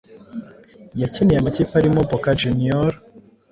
Yakiniye amakipe arimo Boca Juniors,